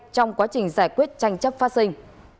trong quá trình giải quyết tranh chất phát sinh